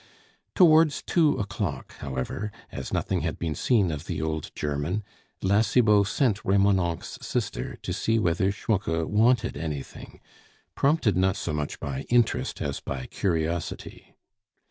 Towards two o'clock, however, as nothing had been seen of the old German, La Cibot sent Remonencq's sister to see whether Schmucke wanted anything; prompted not so much by interest as by curiosity.